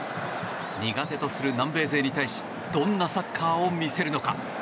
苦手とする南米勢に対しどんなサッカーを見せるのか。